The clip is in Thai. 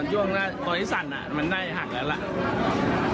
ตอนนี้สั่นมันได้หักแล้วแล้ว